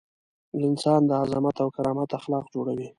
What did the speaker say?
د انسان د عظمت او کرامت اخلاق جوړوي.